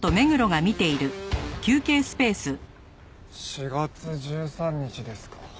４月１３日ですか。